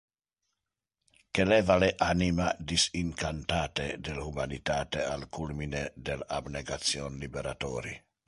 Que leva le anima disincantate del humanitate al culmine del abnegation liberatori.